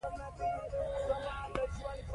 ده وویل چې د روژې له لارې د انسان زړه پاکېږي.